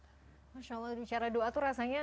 masya allah bicara doa tuh rasanya